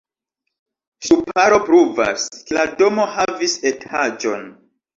Ŝtuparo pruvas, ke la domo havis etaĝon.